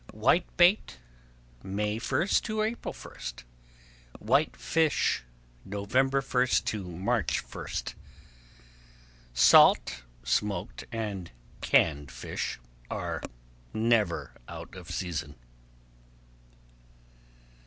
Whitebait May 1 to April 1. Whitefish November 1 to March 1. Salt, smoked, and canned fish are never out of season.